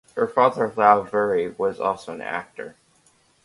Her father Louw Verwey was also an actor.